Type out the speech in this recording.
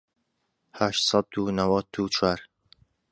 هەشت سەد و نەوەت و چوار